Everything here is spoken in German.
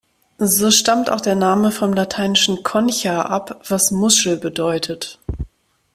So stammt auch der Name vom lateinischen "concha" ab, was "Muschel" bedeutet.